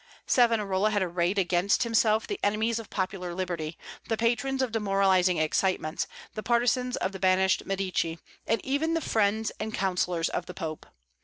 Savonarola had arrayed against himself the enemies of popular liberty, the patrons of demoralizing excitements, the partisans of the banished Medici, and even the friends and counsellors of the Pope.